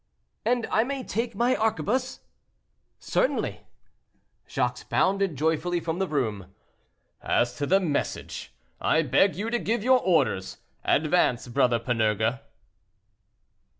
"And I may take my arquebuse?" "Certainly." Jacques bounded joyfully from the room. "As to the message, I beg you to give your orders. Advance, Brother Panurge."